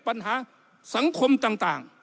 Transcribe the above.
ปัญหาสังคมต่าง